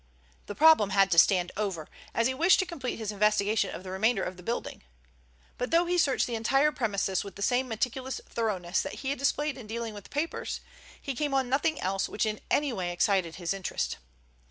The problem had to stand over, as he wished to complete his investigation of the remainder of the building. But though he searched the entire premises with the same meticulous thoroughness that he had displayed in dealing with the papers, he came on nothing else which in any way excited his interest.